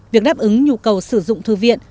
việc đáp ứng nhu cầu sử dụng thư viện